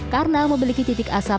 karena memiliki titik asap yang jauh